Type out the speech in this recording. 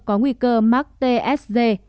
có nguy cơ mắc tsd